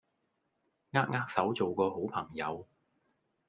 扼扼手做個好朋友